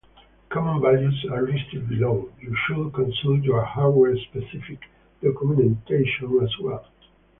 Common values are listed below, you should consult your hardware specific documentation as well.